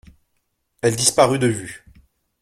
Elle disparut de vue.